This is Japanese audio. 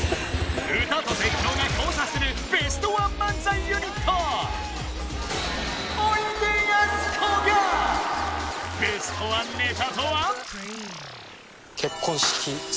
歌と絶叫が交差するベストワン漫才ユニットベストワンネタとは？でございますね